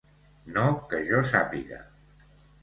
No que jo sàpiga.